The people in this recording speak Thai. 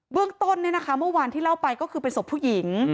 เรื่องต้นเมื่อวานที่เล่าไปก็คือเป็นศพผู้หญิง